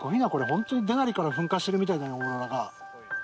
本当にデナリから噴火してるみたいだなオーロラが。